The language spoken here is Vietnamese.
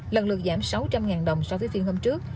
lần lượt giảm sáu trăm linh đồng so với phiên hôm trước